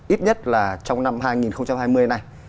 ít nhất là trong năm hai nghìn hai mươi này